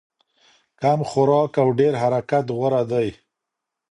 کم خوراک او ډېر حرکت غوره دی.